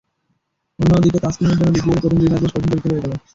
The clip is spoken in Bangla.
অন্য দিকে তাসকিনের জন্য বিপিএলের প্রথম দুই ম্যাচ বেশ কঠিন পরীক্ষার হয়ে গেল।